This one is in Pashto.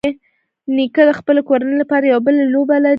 نیکه د خپلې کورنۍ لپاره یو بېلې لوبه لري.